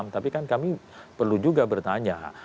tapi kan kami perlu juga bertanya